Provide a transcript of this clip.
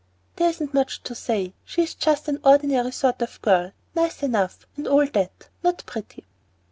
"There isn't much to say. She's just an ordinary sort of girl, nice enough and all that, not pretty."